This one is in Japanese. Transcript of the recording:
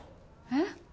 えっ？